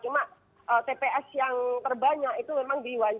cuma tps yang terbanyak itu memang di wan chet